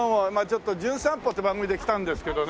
ちょっと『じゅん散歩』って番組で来たんですけどね。